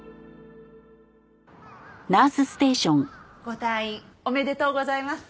ご退院おめでとうございます。